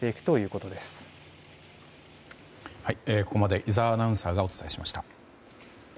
ここまで井澤アナウンサーがお伝えしました。